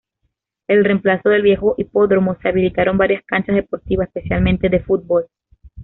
En reemplazo del viejo hipódromo, se habilitaron varias canchas deportivas, especialmente de fútbol.